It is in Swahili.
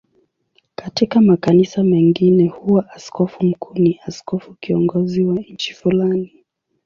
Katika makanisa mengine huwa askofu mkuu ni askofu kiongozi wa nchi fulani.